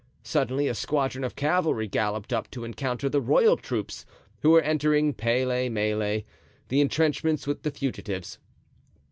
Suddenly a squadron of cavalry galloped up to encounter the royal troops, who were entering, pele mele, the intrenchments with the fugitives.